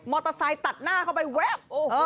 เตอร์ไซค์ตัดหน้าเข้าไปแว๊บ